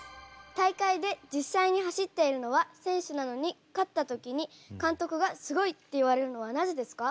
大会で実際に走っているのは選手なのに勝った時に監督がすごいって言われるのはなぜですか？